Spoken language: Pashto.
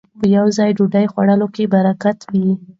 په يوه ځای ډوډۍ خوړلو کې برکت وي